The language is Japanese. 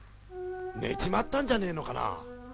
寝ちまったんじゃねえのかな。